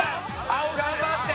青頑張って！